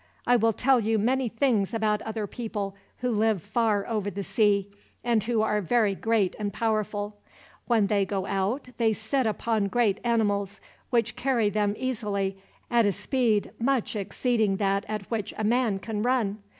I will tell you many things about other people, who live far over the sea, and who are very great and powerful. When they go out they sit upon great animals, which carry them easily, at a speed much exceeding that at which a man can run.